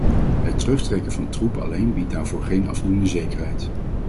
Het terugtrekken van troepen alleen biedt daarvoor geen afdoende zekerheid.